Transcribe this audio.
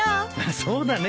そうだね。